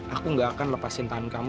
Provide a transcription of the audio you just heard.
aku gak akan lepasin tangan kamu